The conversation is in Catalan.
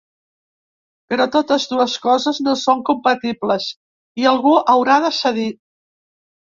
Però totes dues coses no són compatibles i algú haurà de cedir.